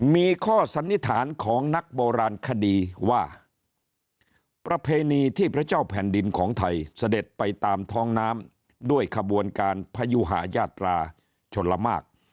มีข้อสันนิษฐานของนักโบราณคดีว่าประเพณีที่พระเจ้าแผ่นดินของไทยเสด็จไปตามท้องน้ำด้วยขบวนการพยุหายาตราชลมาก